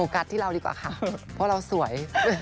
กัดที่เราดีกว่าค่ะเพราะเราสวย